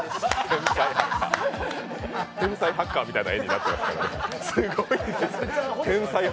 天才ハッカーみたいな画になってるけど。